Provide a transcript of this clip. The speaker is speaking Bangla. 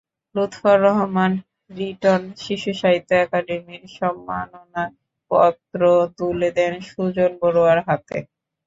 লুৎফর রহমান রিটন শিশুসাহিত্য একাডেমির সম্মাননাপত্র তুলে দেন সুজন বড়ুয়ার হাতে।